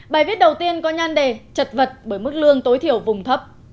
bài viết đầu tiên có nhan đề chật vật bởi mức lương tối thiểu vùng thấp